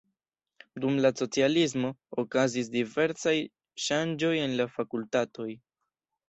Dum la socialismo okazis diversaj ŝanĝoj en la fakultatoj.